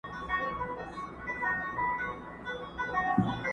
اشنا راسه پر پوښتنه رنځ مي وار په وار زیاتیږي؛